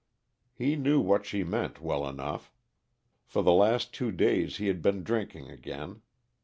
He knew what she meant, well enough. For the last two days he had been drinking again.